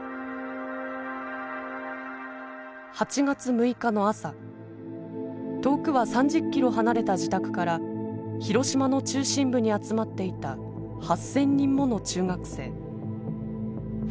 ８月６日の朝遠くは３０キロ離れた自宅から広島の中心部に集まっていた８，０００人もの中学生。